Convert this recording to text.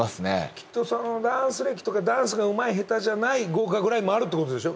きっとそのダンス歴とかダンスがうまい下手じゃない合格ラインもあるってことでしょ？